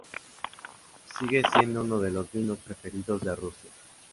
Sigue siendo uno de los vinos preferidos de Rusia.